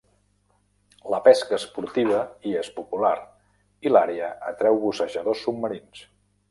La pesca esportiva hi és popular, i l'àrea atreu bussejadors submarins.